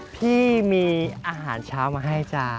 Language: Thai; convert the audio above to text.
พี่มีอาหารเช้ามาให้จ้า